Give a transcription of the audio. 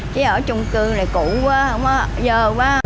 chứ ở chung cư này cũ quá dơ quá